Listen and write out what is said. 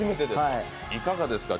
いかがですか？